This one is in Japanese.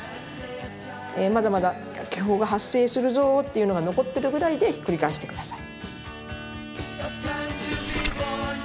まだまだ気泡が発生するぞっていうのが残ってるぐらいでひっくり返して下さい。